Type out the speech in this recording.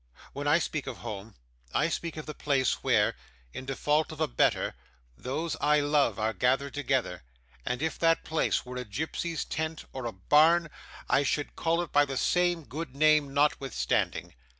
When I speak of home, I speak of the place where in default of a better those I love are gathered together; and if that place were a gypsy's tent, or a barn, I should call it by the same good name notwithstanding.